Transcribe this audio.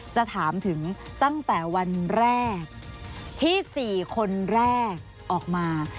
จะถามถึงตั้งแต่วันแรกที่๔คนแรกออกมา